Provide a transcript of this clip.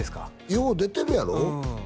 よう出てるやろ？